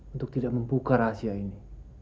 untuk tidak membuka rahasia ini